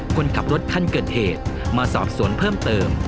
คนขับรถคันเกิดเหตุมาสอบสวนเพิ่มเติม